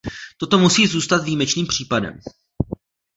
Toto musí zůstat výjimečným případem.